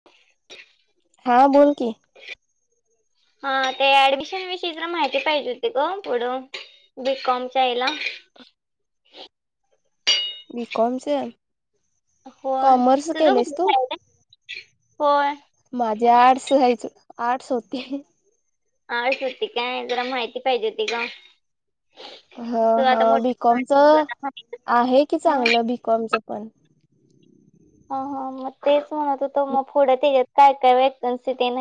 [unintelligible] हा बोल की हा ते ऍडमिशन विषयी जरा माहिती पाहिजे होती ग पुढं बीकॉमच्या याला वीिकॉमच्या होय त खु तू होय माझे आर्ट्स यायच आर्टस होते आच होती काय जरा माहिती पाहिजे होती का हा हा बिकॉमच आहे की हा चांगलं बीिकॉमच पण हा हा मग तेच म्हणत होतो मग पुढच्यात काय काय वेकन्सी देण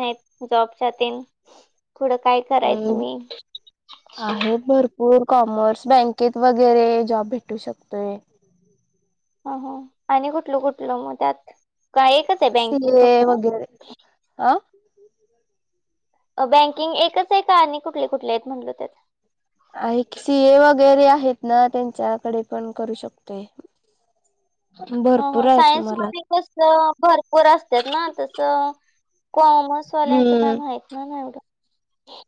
जॉबच्याात पुथडं काय करायचं अम मी आहेत भरपूर कॉमर्स बँकेत वगैरे जॉब भेटू शकतोय ह आणि कुठलं कुठलं मग त्यात काय सीर वगैरे हह बँकिंग एकच आहे का आणि कुठले कुठले आहेत म्हणलो त्यात आहे सी ए वगैरे आहेत ना त्यांच्याकडे पण करू शकते ह भरपूर ह आहेत त मला सायन्समध्ये भरपूर असतात ना तसं कॉमर्स वाल्यांचं काय हम्म माहित नाही नाही एा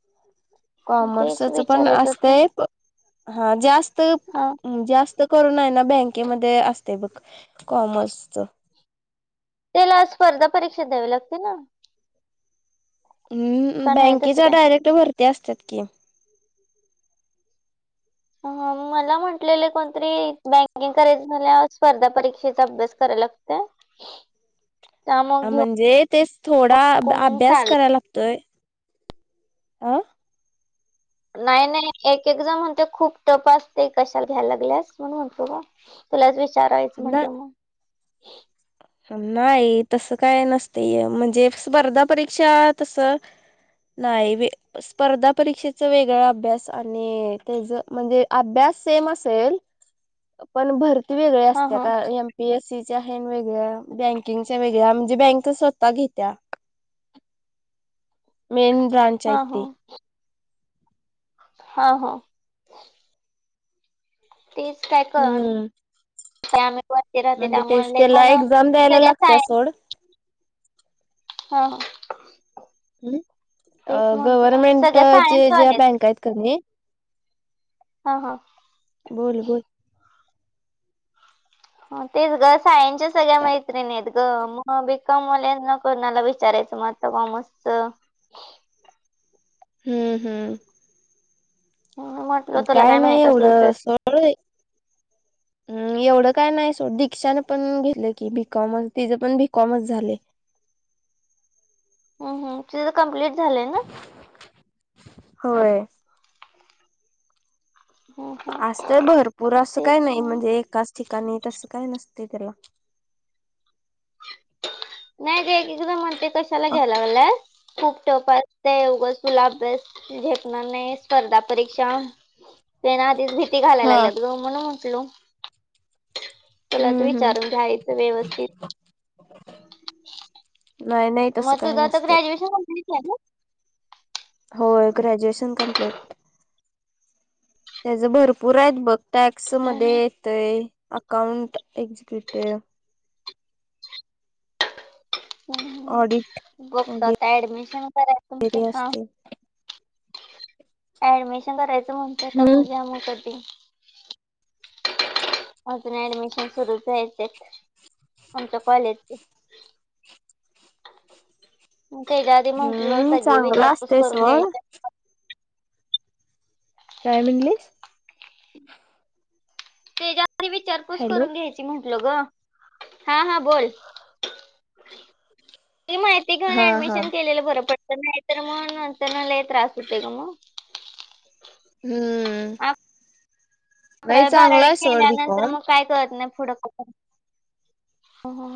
कॉमर्सच पण होत असतय हा जास्त हा जास्त करून आहे ना बँकेमध्ये असते बघ कॉमर्सच त्याला स्पर्धा परीक्षा द्यावी लागते ना का हम् नाही तसं बँकेच्या काय डायरेक्ट भरती असतात की मला म्हटलेलं कोणतरी बँकिंग करायचं झाल्या स्पर्धा परीक्षेचा अभ्यास करायला लागत का म्हणजे तेच थोडा नको म्हणून अभ्यास चाल कराय लागतोय अ नाही नाही एक एकदाा म्हणते खूप टप असते कशाला घ्यायला लागल्यास म्हण म्हणतो बा तुलाच विचारायचं म्हटलं मग नाही तसं काय नसतय हे म्हणजे स्पर्धा परीक्षा तस नाही बी स्पर्धा परीक्षेचा वेगळा अभ्यास आणि त्याच म्हणजे अभ्यास सेम असेल पण भरती वेगळ्या हा असत्या हा का एमपीएससीच्या वेगळ्या बँकिंगच्या वेगळ्या म्हणजे बँक स्वतः घेत्या मेन ब्रांच आहेत हा हा ते हा हा तेच काय हम्म. कळना [inaudible] राहते म्हणजे त्यामुळे तेच लय त्याला कोण एक्झाम द्यायला सगळ्या लागत्या सायन सोड. हा ह अ तेच म्हणत सगळ्या गव्हर्मेंटचे सायन्स वाल्या ज्या आहेत बँक कणी हा हा बोल बोल ह तेच ग सायन्सच्या सगळ्या काय मैत्रिणी आहेत ग मग बीकॉम वाल्यांना कोणाला विचारायचं म आता कॉमर्सच हम्म हम्म म्हटलं तुला काय नाही माहित असलं एवढं तर [inaudible] [inaudible] हम एवढं काय नाही सोड दीक्षाने पण घेतलं की बीकॉमच तिज पण बीकॉमच झालंय ह हम तिज कम्प्लीट झालंय ना? होय हम्म हम्म असतय भरपूर असं काय तेच नाही मग म्हणजे एकाच ठिकाणी तसं काय नसतय त्याला नाही ग एकेकदा म्हणते कशाला घ्यायलागल्यास खूप टफ असतय उगच तुला अभ्यास झेपणार नाही स्पर्धा परीक्षा ते ना आधीच भीती घालाय हा. लागल्यात ग म्हणून म्हटलो तुलाच हम्म हम्म विचारून घ्यायचं व्यवस्थित नाही नाही तसं मग तुझ काही नसतय ग्रॅज्युएशन कंप्लीट हाय ना होय ग्रॅज्युएशन कम्प्लीट त्याज भरपूर आहेत बघ टॅक्स हम्म मध्ये हम्म येतय अकाउंट एक्झिक्युटिव ऑडिट ह बघतो वगैरे आत्ता ऍडमिशन करा [inaudible] हा असते. ऍडमिशन करायचं म्हणतोय आता बघूया मग कधी अजून ऍडमिशन सुरूच व्हायचेय आमच्या कॉलेजच त्याज्या आधी म्हटलो हम्म सगळी चांगलं विचारपूस असतय करून सोड. घ्यायच काय म्हणलीस त्याज्या आधी विचारपूस हॅलो. करून घ्यायची म्हटलो ग हा हा बोल ते मा ते ग हा हा. ऍडमिशन केलेलं बरं पडत नाही तर मग नंतरन लय त्रास होते ग मग हम्म नाही अकरावी चांगला आहे सोड बी बारावीकेल्यानंतर कॉम मग काय कळत नाही फूड का ह ह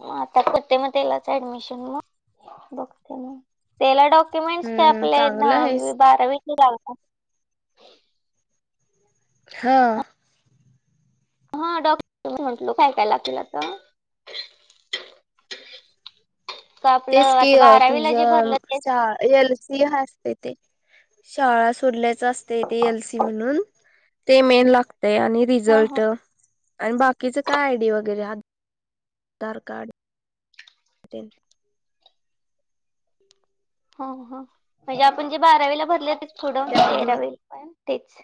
म आता करते मग त्यालाच ऍडमिशन मग बघते मग त्याला डॉक्युमेंट्स काय हम्म आपले चांगलं दहावी आहेस. बारावीची लागणार हा हा डॉ [inaudible] म्हटलो काय काय लागतील आत्ता का आपलं तेच की आता आ बारावीला जे तुझं भरलं तेच सा एल सी असते ते शाळा सोडल्याच असते ते एल सी म्हणून ते मेन लागतय आणि हा हा रिझल्ट आणि बाकीचं काय आय डी वगैरे आधार कार्ड तेन हो ह म्हणजे आपण जे बारावीला भरले ते थोडं त्यामधून तेराविला पण तेच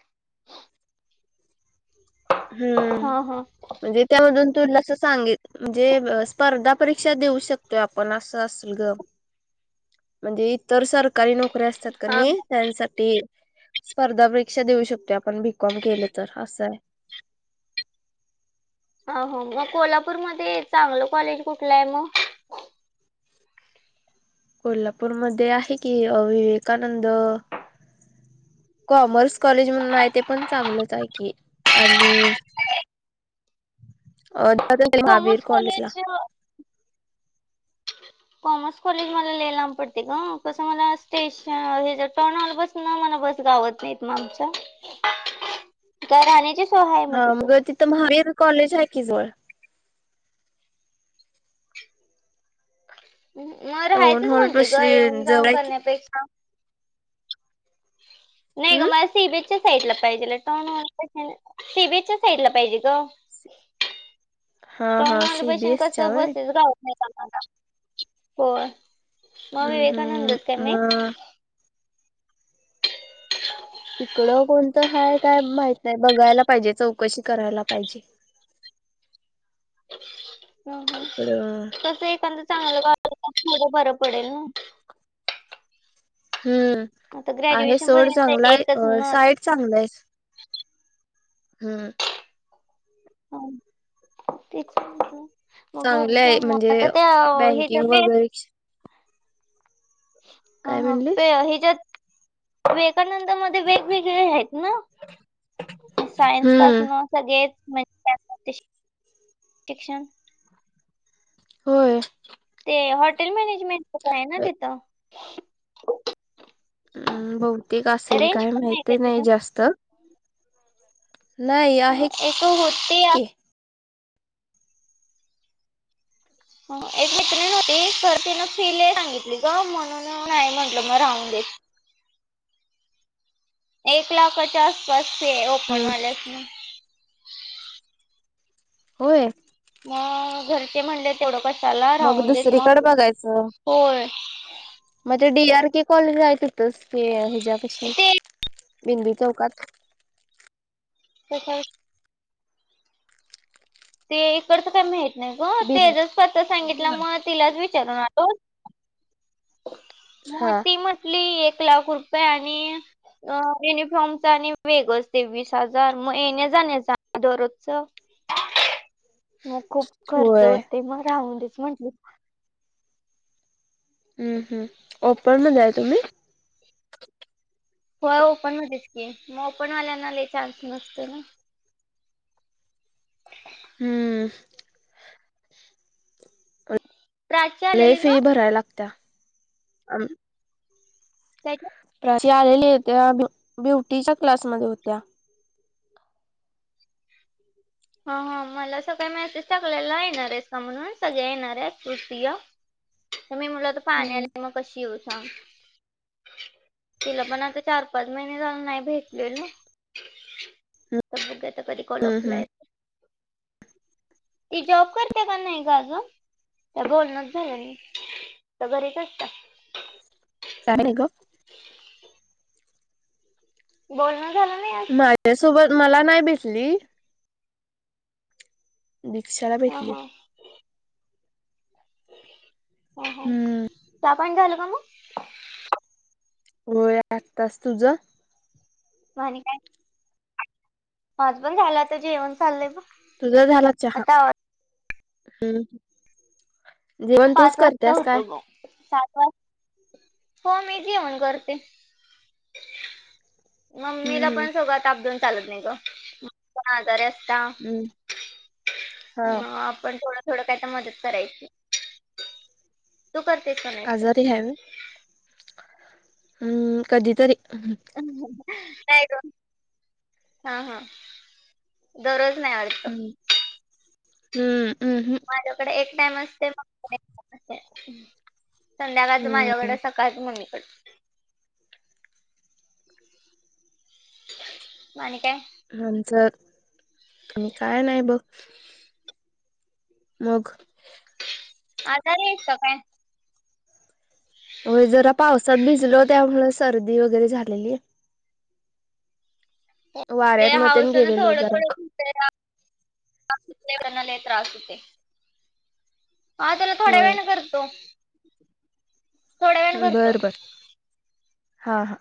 हम्म हा हा म्हणजे त्यामधून तुला अस सांगेल म्हणजे स्पर्धा परीक्षा देऊ शकतोय आपण असं असल ग. म्हणजे इतर सरकारी नोकरी असतात का हा नाही. त्यांसाठी स्पर्धा परीक्षा देऊ शकतो आपण बीकॉम केलं तर असं आहे. अ हो मग कोल्हापूरमध्येध्ये चांगलं कॉलेज कुठलं आहे मग. कोल्हापूरमध्ये आहे की विवेकानंद कॉमर्स कॉलेज म्हणून आहे ते पण चांगलंच आहे की आणि [inaudible] अ जात महावीर कॉलेज ला. [unintelligible] कॉमर्स कॉलेज मला ले लाब पडते ग कसं मला स्टेशन हे ज टर्न आलं बस मला बस गावत नाहीत मग आमच्या राहण्याची हा मग तिथं महावीर कॉलेज आहे की जवळ मग टाऊन राहायचंच हॉल म्हणते ग येऊन पाशी जवळ जाऊन आहे की करण्यापेक्षा नाही का हम्म म सी बेच साईड ला पाहिजे सीबीच्या साईड ला पाहिजे ग हा हा तणा ब कस सीबीएसच्या व्हय बसेस गावत नाही कोण मग हम्म हम्म विवेकानंदते मी मग तिकडं कोणतं हय काय माहित नाही बघायला पाहिजे चौकशी करायला पाहिजे. [inaudible] इकड. तस एखाद चांगलंं बरं पडेल ना. हम्म आता आहे ग्रॅज्युएशन सड पर्यंत चांगला एकच आहे ना साईड चांगलं आहे. हम्म. ह तेच मग चांगले बघ्या आहे मग म्हणजे आता त्या हे बँकिंग जम वगैरे हा काय हा म्हणलीस? हच्यात वकानंदमध्येध्ये वेगवेगळे आहेत ना. सायन्स पास हम्म न सगळेच म्हणजे. ठीिकश. होय ते हॉटेल मॅनेजमेंटच काय आहे ना तिथं हम् बहतेिक असेल रेंज काय कमी आहे माहित का नाही तिथं जास्त. नाही आहे एक तर होते. की एक मित्री नव्हती तर तिन फीले सांगितली का म्हणून नाही म्हंटलं मग राहून देत. एक लाखच्या आसपासचे ओपन वाल्यासन होय. मग घरचे म्हणले तेवढं कशाला मग राहून देत दुसरीकडे मग बघायचं. होय. मग ते डी आर के कॉलेज आहे तथच हे हच्या कशी. ते भिंदी चौकात. तस. ते इकडचं काय माहत नाही ग बि तेजच पत सांगितलं मग तिलाच विचारून आलो. मग हा ती म्हटली एक लाख रुपये आणि अ युनिफॉर्मचा आणि वेग असते वीस हजार मग येणे जाणे दरोजच. मग खूप खर्च होय होते मग राहून देच म्हटले. हम् हम् ओपन मध्ये आहे तुम्ही. हो ओपन मच की मग ओपन वाल्यांना चान्स नसत ना. हम्म. प्राची आलेली का फी भराय लागत. त्या. प्र आलेले हो त्या्या ब्युटीच्या क्लासमध्ये होत्या. हा हा मला असं काय मेसेज टाकलेला येणार आहेस का म्हणून सगळे येणार आहे तृतीय. तर मी मुला तर हम्म पाण्याला मग कशी येऊ सांग. तिला पण आता चार पाच महिने झाले नाही भेटलेलो. तर बघता कधी हम्म कलपला हम्म येत. ती जॉब करते का नाही ग आजुन तर बोलणच झालं नाही का घरीच असतात. [inaudible] चालेल ग. [inaudible] बोलण झालं नाही आज माझ्या सोबत मला नाही भेटली. दिक्षाला हा भेटले. हा हा हा हम्म चहापाणी झालं का मग. होय आताच तुझं? म आणि काय. [unintelligible] पण झाला आता जेवण चाललंय बघ. तुझा झाला चहा आता आवाज हम्म. पाच वाजता होतो मग सात वाज हो मी जेवन करते. हम्म मम्मीला हम्म पण सगळा ताप देऊन चालत नाही ग. त्या आजारी असता हम्म हा मग आपण थोडं थोडं काय त मदत करायची. तू करतेस का नाही अस. ह्याव. हम्म कधीतरी. काय ग हा हा. दररोज नाही आवडत का हम्म हम्म हम्म माझ कडे एक टाइम असते मग [unintelligible] संध्याकाळच माझ्याकडे सकाळच मम्मीकडे. आणि काय? आमच आणि काय नाही बघ. मग. आजारी आहेस का काय. होय जरा पावसात भिजलो त्यामुळं सर्दी वगैरे झालेली. वाऱ्यात ते न तेन हाऊसन गेलेलो थोड जरा थोड [unintelligible] त्रास होते. आ त्याला थोड्या होय. वेळाने करतो. थोड्या वेळाने करतो. बरं बरं हा हा.